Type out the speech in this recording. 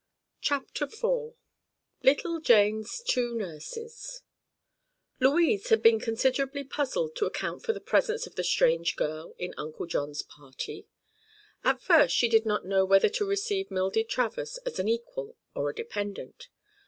CHAPTER IV—LITTLE JANE'S TWO NURSES Louise had been considerably puzzled to account for the presence of the strange girl in Uncle John's party. At first she did not know whether to receive Mildred Travers as an equal or a dependent.